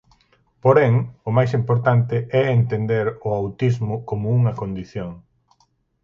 Porén, o máis importante é entender o autismo como unha condición.